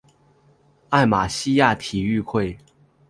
艾马希亚体育会。